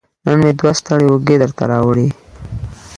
نن مې دوه ستړې اوږې درته راوړي